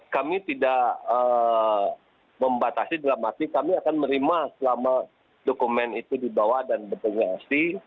kami tidak membatasi dalam arti kami akan menerima selama dokumen itu dibawa dan berdomiesi